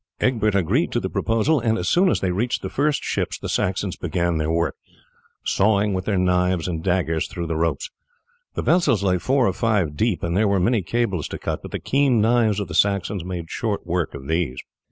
Egbert agreed to the proposal, and as soon as they reached the first ships the Saxons began their work, sawing with their knives and daggers through the ropes. The vessels lay four or five deep and there were many cables to cut, but the keen knives of the Saxons made short work of these.